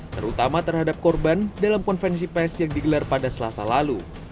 terutama terhadap korban dalam konvensi pes yang digelar pada selasa lalu